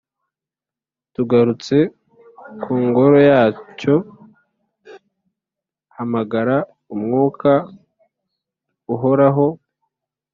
tugarutse ku ngoro yacyo hamagara umwuka uhoraho?